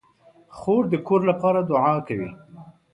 خور د کور لپاره دعا کوي.